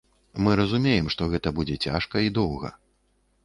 Мы разумеем, што гэта будзе цяжка і доўга.